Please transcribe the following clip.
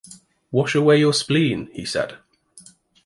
‘Wash away your spleen,’ he said.